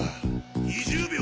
２０秒。